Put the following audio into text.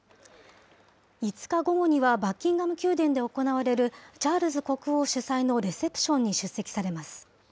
５日午後には、バッキンガム宮殿で行われるチャールズ国王主催のレセプションに出席されます。